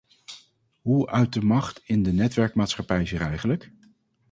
Hoe uit de macht in de netwerkmaatschappij zich eigenlijk?